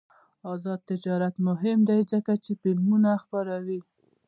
آزاد تجارت مهم دی ځکه چې فلمونه خپروي.